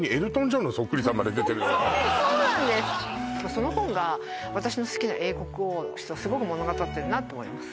その本が私の好きな英国王室をすごく物語ってるなと思います